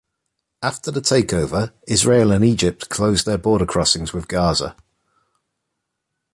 After the takeover, Israel and Egypt closed their border crossings with Gaza.